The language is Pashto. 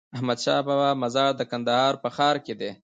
د احمدشاهبابا مزار د کندهار په ښار کی دی